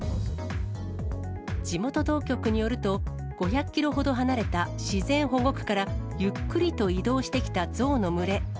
地元当局によると、５００キロほど離れた自然保護区からゆっくりと移動してきたゾウの群れ。